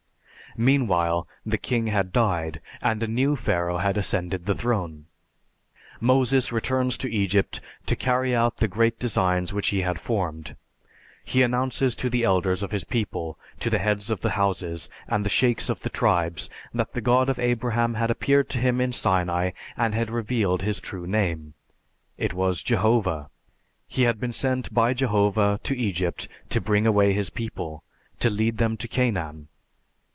Meanwhile the king had died, and a new Pharaoh had ascended the throne. Moses returns to Egypt to carry out the great designs which he had formed. He announces to the elders of his people, to the heads of the houses, and the sheiks of the tribes that the God of Abraham had appeared to him in Sinai and had revealed his true name. It was Jehovah. He had been sent by Jehovah to Egypt to bring away his people, to lead them to Canaan.